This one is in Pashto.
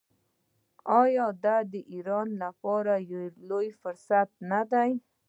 آیا دا د ایران لپاره لوی فرصت نه دی؟